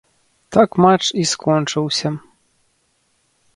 Так матч і скончыўся.